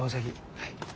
はい。